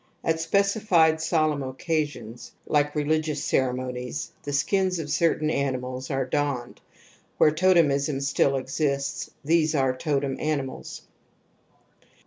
At specified solemn occasions, hke religious ceremonies, the skins of certain animals are donned. Where totemism still exists, these\ are totem animals.